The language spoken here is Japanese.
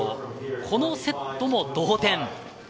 このセットも同点。